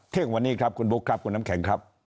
เที่ยงวันนี้ครับคุณบุ๊คครับคุณน้ำแข็งครับ